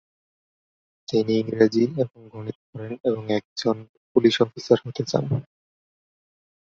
তিনি ইংরেজি এবং গণিত পড়েন এবং একজন পুলিশ অফিসার হতে চান।